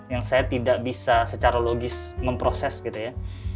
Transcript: yang saya tidak bisa secara logis memproses gitu ya